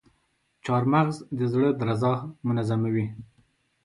چارمغز د زړه درزا منظموي.